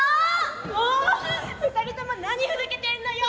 「もう２人とも何ふざけてんのよ」。